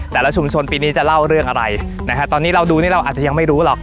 แต่ละชุมชนปีนี้จะเล่าเรื่องอะไรนะฮะตอนนี้เราดูนี่เราอาจจะยังไม่รู้หรอก